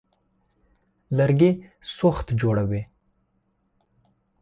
لرګي سوخت جوړوي.